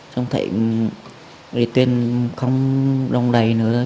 xong thấy tuyên không đông đầy nữa